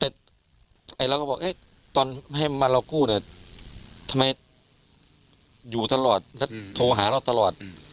แต่เราก็บอกตอนให้มาเรากู้เนี่ยทำไมอยู่ตลอดแล้วโทรหาเราตลอด